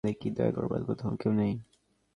আমাদের কী দয়া করবার কোথাও কেউ নেই?